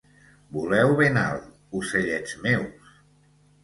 Voleu ben alt, ocellets meus.